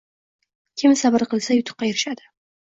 Kim sabr qilsa yutuqqa erishadi.